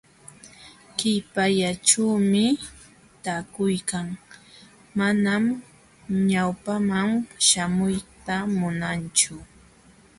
Qipallaćhuumi taakuykan, manam ñawpaqman śhamuyta munanchu.